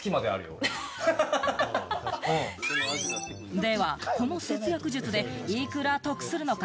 では、この節約術でいくら得するのか？